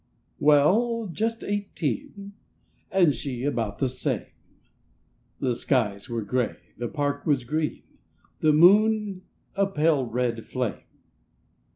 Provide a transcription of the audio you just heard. Well, just eighteen, And she—about the same; The skies were grey, the park was green, The moon—a pale red flame.